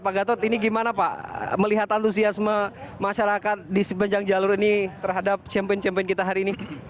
pak gatot ini gimana pak melihat antusiasme masyarakat di sepanjang jalur ini terhadap champion champion kita hari ini